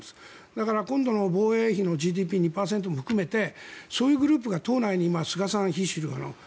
だから今度の防衛費のＧＤＰ２％も含めてそういうグループが党内に今、菅さん、非主流派の。